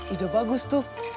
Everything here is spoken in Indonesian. ide bagus tuh